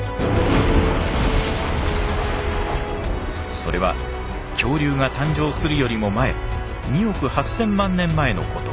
それは恐竜が誕生するよりも前２億８，０００万年前のこと。